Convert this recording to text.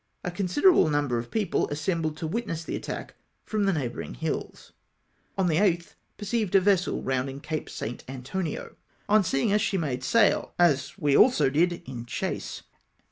A consider able number of people assembled to witness the attack from the neioiibourino hills. o O On the 8th, perceived a vessel rounding Cape St. Antonio. On seeing us, she made sail, as we also did in chase.